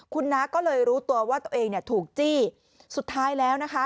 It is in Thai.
คุณน้าก็เลยรู้ตัวว่าตัวเองเนี่ยถูกจี้สุดท้ายแล้วนะคะ